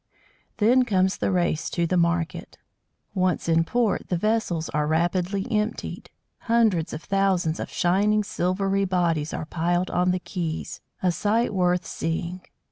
Then comes the race to the market. Once in port, the vessels are rapidly emptied. Hundreds of thousands of shining, silvery bodies are piled on the quays a sight worth seeing!